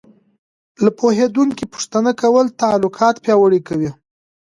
له پوهېدونکي پوښتنه کول تعلقات پیاوړي کوي.